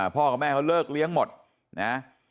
พ่อกับแม่เขาเลิกเลี้ยงหมดนะ